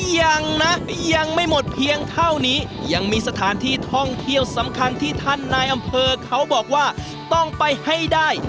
ยังนะยังไม่หมดเพียงเท่านี้ยังมีสถานที่ท่องเที่ยวสำคัญที่ท่านนายอำเภอเขาบอกว่าต้องไปให้ได้